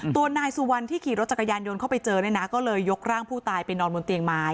ตัวนายสุวรรณที่ขี่รถจักรยานยนต์เข้าไปเจอเนี่ยนะก็เลยยกร่างผู้ตายไปนอนบนเตียงไม้